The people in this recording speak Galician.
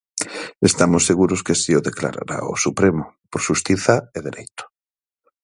Estamos seguros que así o declarará o Supremo, por xustiza e dereito.